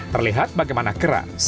terlihat bagaimana keras